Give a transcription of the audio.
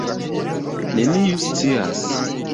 Neniu scias.